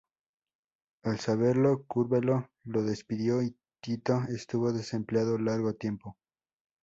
Al saberlo, Curbelo lo despidió y Tito estuvo desempleado largo tiempo.